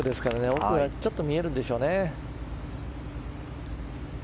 奥はちょっと見えるんですよね。